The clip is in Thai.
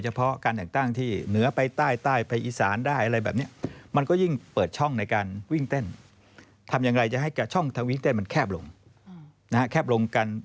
วิ่งเต้นมันแคบลงนะแคบลงกัน